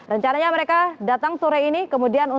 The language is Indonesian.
rencananya mereka datang sore ini